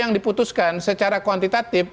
yang diputuskan secara kuantitatif